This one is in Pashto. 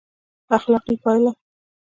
اخلاقي پایله: